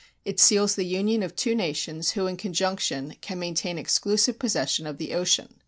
It seals the union of two nations who in conjunction can maintain exclusive possession of the ocean.